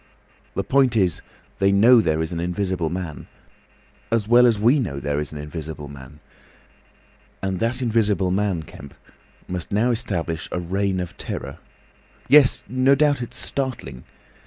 The point is, they know there is an Invisible Man—as well as we know there is an Invisible Man. And that Invisible Man, Kemp, must now establish a Reign of Terror. Yes; no doubt it's startling.